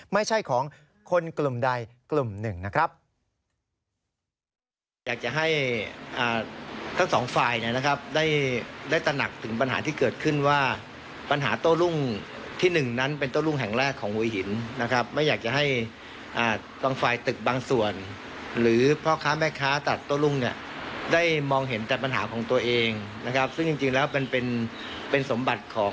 ไม่ใช่ของคนกลุ่มใดกลุ่มหนึ่งนะครับ